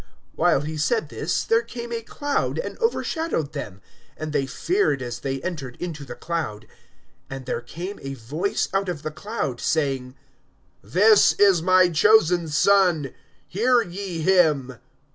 (34)While he said this, there came a cloud, and overshadowed them; and they feared as they entered into the cloud. (35)And there came a voice out of the cloud, saying: This is my chosen Son; hear ye him.